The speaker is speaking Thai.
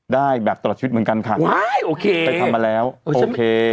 ได้แบบตลอดชีวิตเหมือนกันค่ะใช่โอเคไปทำมาแล้วโอเค